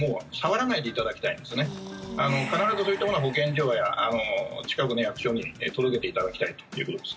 必ずそういったものは保健所や近くの役所に届けていただきたいということです。